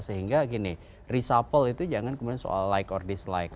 sehingga gini reshuffle itu jangan kemudian soal like or dislike